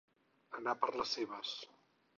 Anar per les seves.